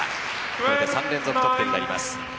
これで３連続得点になります。